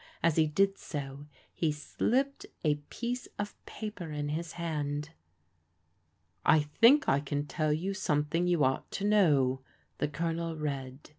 As he did so he slipped a piece of paper in his hand. *' I think I can tell you something you ought to know," the Colonel read.